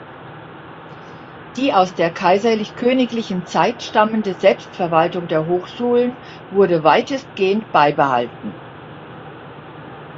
Die aus der Kaiserlich-königlichen Zeit stammende Selbstverwaltung der Hochschulen wurde weitestgehend beibehalten.